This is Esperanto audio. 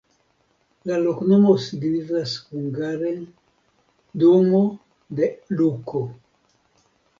La loknomo signifas hungare: domo de Luko.